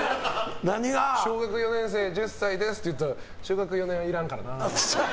小学４年生、１０歳ですって言った時に小学４年はいらんからなって。